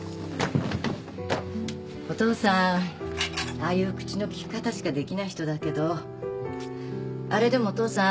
お父さんああいう口の利き方しかできない人だけどあれでもお父さん